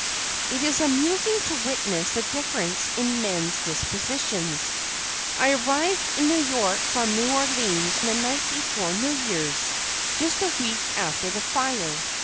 It is amusing to witness the difference in men's dispositions. I arrived in New York from New Orleans the night before New Year's, just a week after the fire.